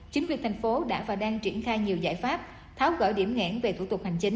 chính quyền thành phố đã và đang triển khai nhiều giải pháp tháo gỡ điểm nghẽn về thủ tục hành chính